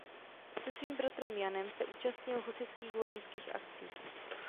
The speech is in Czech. Se svým bratrem Janem se účastnil husitských vojenských akcí.